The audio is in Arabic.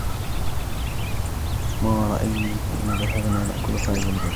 ما رأيك إن ذهبنا نأكل خارج البيت ؟